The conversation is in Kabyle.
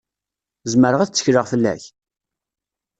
Zemreɣ ad tekkleɣ fell-ak?